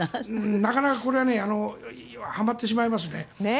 なかなかこれははまってしまいますね。